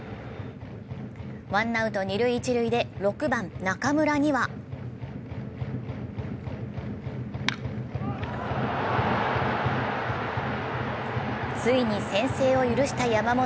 ワンアウト一塁・二塁で６番・中村にはついに先制を許した山本。